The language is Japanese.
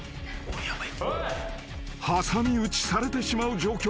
［挟み撃ちされてしまう状況］